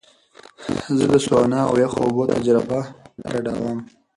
زه د سونا او یخو اوبو تجربه ګډوم.